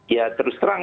ya terus terang